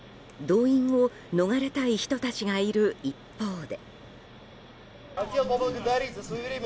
動員を逃れたい人たちがいる一方で。